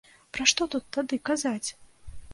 Пра што тут тады казаць!